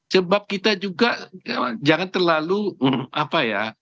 sebab kita juga jangan terlalu apa ya